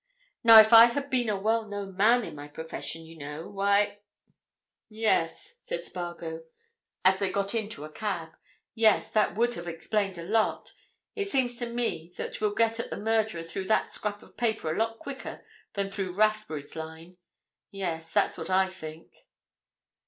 Now, if I had been a well known man in my profession, you know, why—" "Yes," said Spargo, as they got into a cab, "yes, that would have explained a lot. It seems to me that we'll get at the murderer through that scrap of paper a lot quicker than through Rathbury's line. Yes, that's what I think."